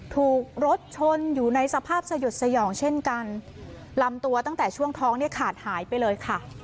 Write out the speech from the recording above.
ถูกรถชนอยู่ในสภาพสยดสยองเช่นกันลำตัวตั้งแต่ช่วงท้องเนี่ยขาดหายไปเลยค่ะ